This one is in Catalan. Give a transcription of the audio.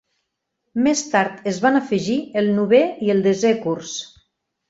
Més tard es van afegir el novè i el desè curs.